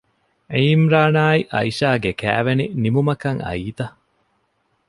ޢީމްރާނާއި ޢައިޝާގެ ކައިވެނި ނިމުމަކަށް އައީތަ؟